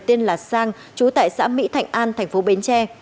tên là sang chú tại xã mỹ thạnh an thành phố bến tre